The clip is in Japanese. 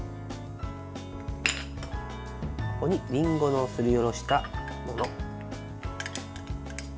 ここにりんごのすりおろしたもの。